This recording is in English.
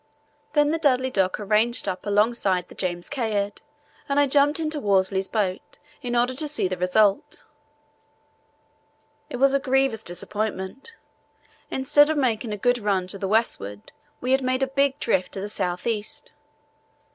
Then the Dudley Docker ranged up alongside the James Caird and I jumped into Worsley's boat in order to see the result. It was a grievous disappointment. Instead of making a good run to the westward we had made a big drift to the south east.